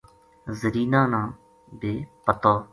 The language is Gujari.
زرینا نا بے پَتو